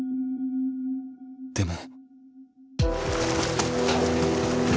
でも。